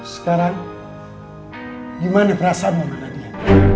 sekarang gimana perasaanmu mana dia